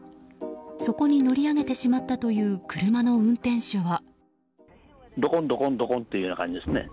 そこに乗り上げてしまったという車の運転手は。